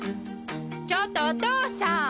ちょっとお父さん！